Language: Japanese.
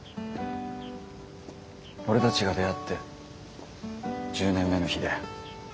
俺たちが出会って１０年目の日だよ。